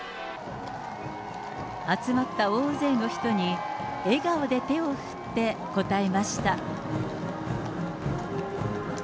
集まった大勢の人に笑顔で手を振って応えました。